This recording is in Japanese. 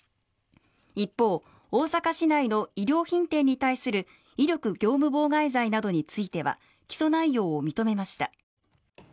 一方、大阪市内の衣料品店に対する威力業務妨害罪などについては起訴内容を認めました。